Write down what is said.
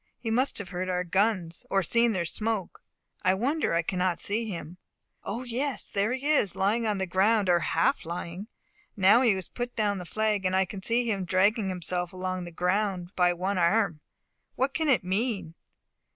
He must have heard our guns, or seen their smoke. I wonder I cannot see him. O, yes, there he is, lying on the ground, or half lying. Now he has put down the flag, and I can see him dragging himself along the ground by one arm. What can it mean?